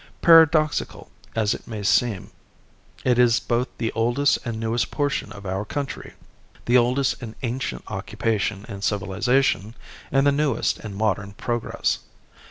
Paradoxical as it may seem it is both the oldest and newest portion of our country the oldest in ancient occupation and civilization and the newest in modern progress.